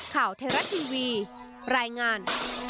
ข่าวเทราะทีวีรายงาน